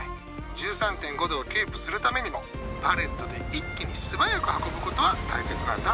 １３．５度をキープするためにもパレットで一気に素早く運ぶことは大切なんだ。